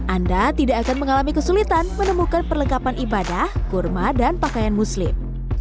anda tidak akan mengalami kesulitan menemukan perlengkapan ibadah kurma dan pakaian muslim